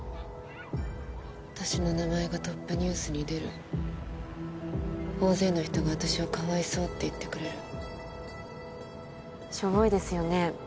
私の名前がトップニュースに出る大勢の人が私をかわいそうって言ってくれるしょぼいですよね